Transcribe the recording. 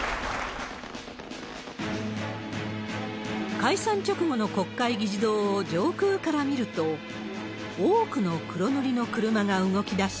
解散直後の国会議事堂を上空から見ると、多くの黒塗りの車が動きだし、